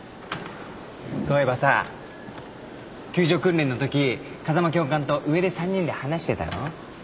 そういえばさ救助訓練のとき風間教官と上で三人で話してたろ。